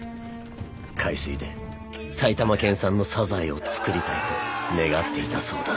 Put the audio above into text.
海水で埼玉県産のサザエをつくりたいと願っていたそうだ。